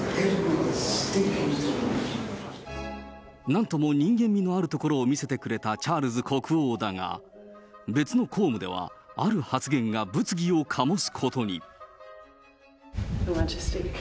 なんとも人間味のあるところを見せてくれたチャールズ国王だが、別の公務では、ある発言が物議を醸すことに。